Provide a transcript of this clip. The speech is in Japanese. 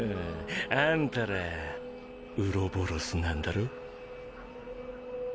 アンタらウロボロスなんだろ？